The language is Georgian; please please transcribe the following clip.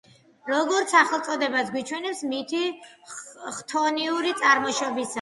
როგორც სახელწოდებაც გვიჩვენებს, მითი ხთონიური წარმოშობისაა.